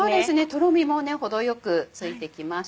とろみも程よくついてきました。